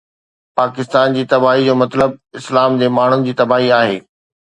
پاڪستان جي تباهي جو مطلب اسلام جي ماڻهن جي تباهي آهي.